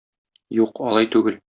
Юк, алай түгел.